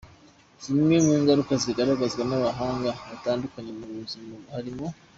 Zimwe mu ngaruka zigaragazwa n’abahanga batandukanye mu by’ubuzima harimo:.